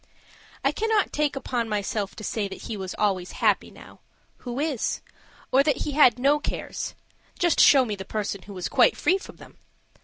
I cannot take upon myself to say that he was always happy now who is? or that he had no cares; just show me the person who is quite free from them!